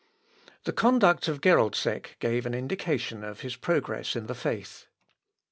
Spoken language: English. " The conduct of Geroldsek gave indication of his progress in the faith.